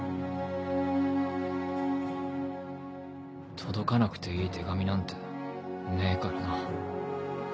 届かなくていい手紙なんてねえからな。